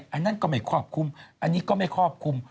อันนั้นก็ไม่ครอบคลุมอันนี้ก็ไม่ครอบคลุม